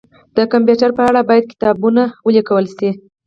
د کمپيوټر په اړه باید کتابونه ولیکل شي